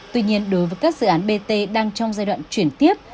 tuy nhiên đối với các dự án bt đang trong giai đoạn chuyển tiếp